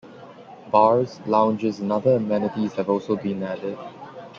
Bars, lounges and other amenities have also been added.